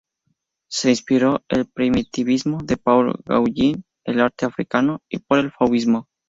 Se inspiró el primitivismo de Paul Gauguin, el arte africano y por el fauvismo.